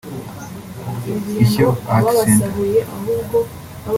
Ishyo Arts Center